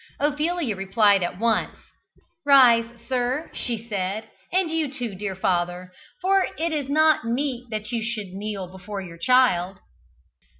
Ophelia replied at once: "Rise, sir," she said, "and you too, dear father, for it is not meet that you should kneel before your child.